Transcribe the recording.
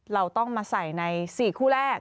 เราต้องมาใส่ใน๔คู่แรก